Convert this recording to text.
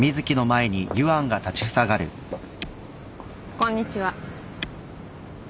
こんにちは。